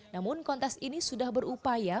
namun kontes ini sudah berupaya